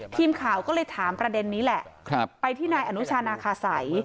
ทีมข่าวก็เลยถามประเด็นนี้แหละไปที่นายอนุชานาคาสัย